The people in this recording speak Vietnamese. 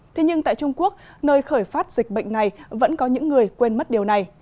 thế nhưng tại trung quốc nơi khởi phát dịch bệnh này vẫn có những người quên mất điều này